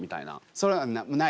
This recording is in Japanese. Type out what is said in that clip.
それはないです。